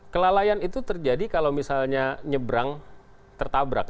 kelalaian itu terjadi kalau misalnya nyebrang tertabrak